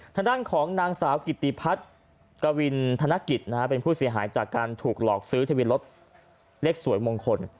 ทางด้านของนางสาวกิติพัฒน์กวินธนกิจนะฮะเป็นผู้เสียหายจากการถูกหลอกซื้อทะเบียนรถเลขสวยมงคล